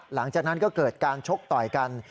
หลังจากนั้นก็เกิดการชกต่อยกัน